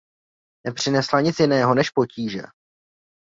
Nepřinesla nic jiného než potíže.